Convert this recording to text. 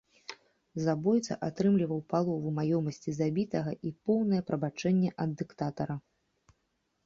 Забойца атрымліваў палову маёмасці забітага і поўнае прабачэнне ад дыктатара.